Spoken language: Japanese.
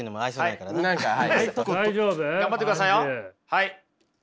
はい。